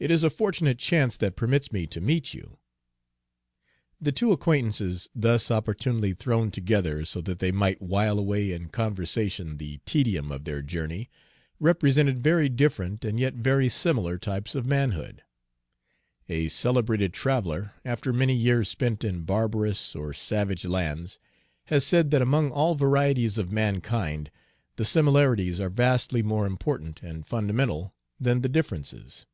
It is a fortunate chance that permits me to meet you." The two acquaintances, thus opportunely thrown together so that they might while away in conversation the tedium of their journey, represented very different and yet very similar types of manhood. A celebrated traveler, after many years spent in barbarous or savage lands, has said that among all varieties of mankind the similarities are vastly more important and fundamental than the differences.